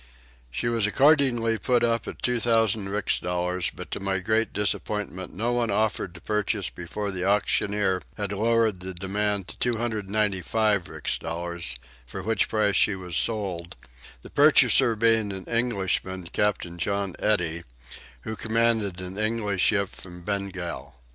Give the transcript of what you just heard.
She was accordingly put up at 2000 rix dollars but to my great disappointment no one offered to purchase before the auctioneer had lowered the demand to 295 rix dollars, for which price she was sold, the purchaser being an Englishman, Captain John Eddie, who commanded an English ship from Bengal.